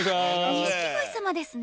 錦鯉様ですね。